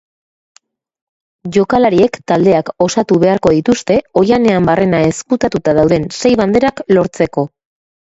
Jokalariek taldeak osatu beharko dituzte oihanean barrena ezkutatuta dauden sei banderak lortzeko.